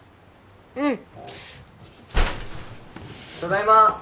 ただいま。